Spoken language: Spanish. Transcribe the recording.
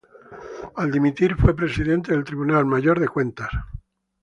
Al dimitir fue Presidente del Tribunal Mayor de Cuentas.